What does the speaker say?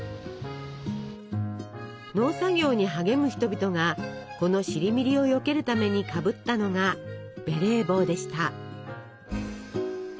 農作業に励む人々がこのシリミリをよけるためにかぶったのがベレー帽でした。